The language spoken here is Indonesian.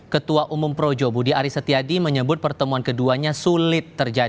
ketua umum projo budi aris setiadi menyebut pertemuan keduanya sulit terjadi